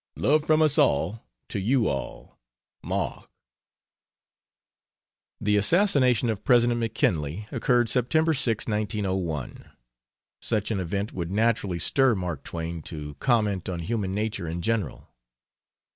Love from us all to you all. MARK. The assassination of President McKinley occurred September 6, 1901. Such an event would naturally stir Mark Twain to comment on human nature in general.